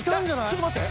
ちょっと待って。